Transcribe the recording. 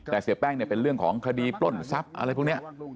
แต่เสียแป้งเนี่ยเป็นเรื่องของคดีปล้นทรัพย์อะไรพวกนี้